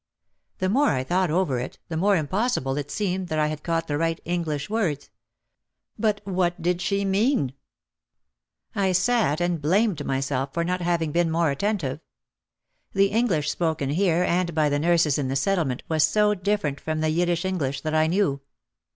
The more I thought over it the more impossible it seemed that I had caught the right "English words." But what did she mean? I sat and blamed my self for not having been more attentive. The English spoken here and by the nurses in the Settlement was so different from the Yiddish English that I knew.